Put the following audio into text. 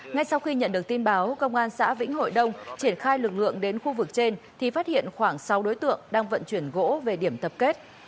ngay sau khi nhận được tin báo công an xã vĩnh hội đông triển khai lực lượng đến khu vực trên thì phát hiện khoảng sáu đối tượng đang vận chuyển gỗ về điểm tập kết